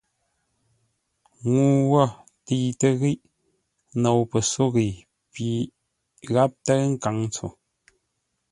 Ŋuu wo təitə́ ghíʼ nou pəsóghəi pi gháp tə́ʉ nkaŋ ntso.